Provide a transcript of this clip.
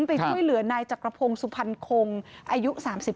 ไปช่วยเหลือนายจักรพงศ์สุพรรณคงอายุ๓๙